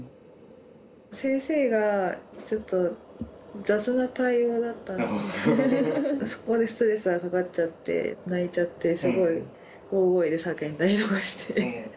先生がちょっと雑な対応だったのでそこでストレスがかかっちゃって泣いちゃってすごい大声で叫んだりとかして。